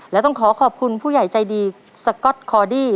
และต้องขอขอบคุณผู้ใหญ่ใจดีสก๊อตคอดี้